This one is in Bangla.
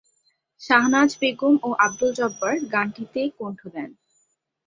শাহনাজ বেগম ও আব্দুল জব্বার গানটিতে কণ্ঠ দেন।